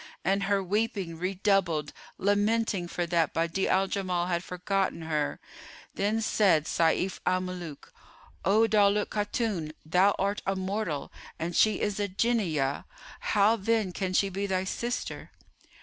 '" And her weeping redoubled, lamenting for that Badi'a al Jamal had forgotten her.[FN#421] Then said Sayf al Muluk, "O Daulat Khatun, thou art a mortal and she is a Jinniyah: how then can she be thy sister?"